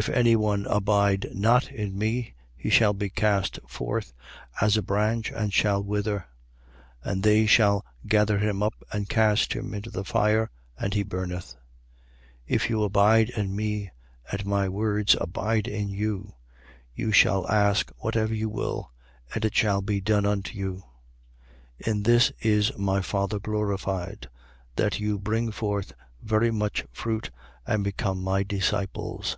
15:6. If any one abide not in me, he shall be cast forth as a branch and shall wither: and they shall gather him up and cast him into the fire: and he burneth. 15:7. If you abide in me and my words abide in you, you shall ask whatever you will: and it shall be done unto you. 15:8. In this is my Father glorified: that you bring forth very much fruit and become my disciples.